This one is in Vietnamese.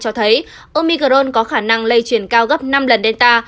cho thấy omicron có khả năng lây chuyển cao gấp năm lần delta